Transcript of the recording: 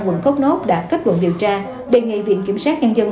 quận thốt nốt đã kết luận điều tra đề nghị viện kiểm sát nhân dân